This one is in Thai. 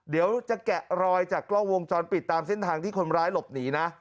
เดี๋ยวจะแกะรอยจากกล้องวงจรปิดตามเส้นทางที่คนร้ายหลบหนีนะ